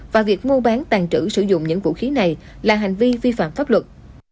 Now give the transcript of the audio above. và việc mua bán tàn trữ sử dụng những vũ khí này là hành vi vi phạm pháp luật